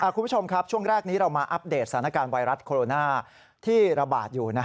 คุณผู้ชมครับช่วงแรกนี้เรามาอัปเดตสถานการณ์ไวรัสโคโรนาที่ระบาดอยู่